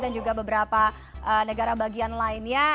dan juga beberapa negara bagian lainnya